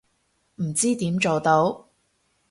唔知點做到